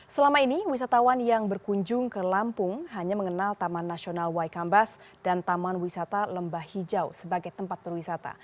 selama ini wisatawan yang berkunjung ke lampung hanya mengenal taman nasional waikambas dan taman wisata lembah hijau sebagai tempat berwisata